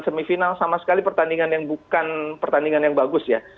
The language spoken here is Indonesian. semifinal sama sekali pertandingan yang bukan pertandingan yang bagus ya